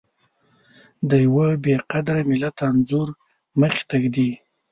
د يوه بې قدره ملت انځور مخې ته ږدي.